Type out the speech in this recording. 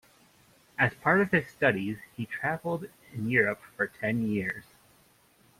As part of his studies, he travelled in Europe for ten years.